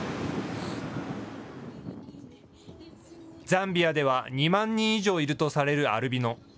ザンビアでは２万人以上いるとされるアルビノ。